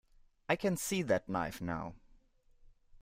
I can see that knife now.